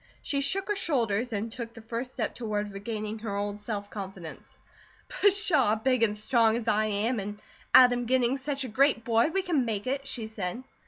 She shook her shoulders and took the first step toward regaining her old self confidence. "Pshaw! Big and strong as I am, and Adam getting such a great boy, we can make it," she said.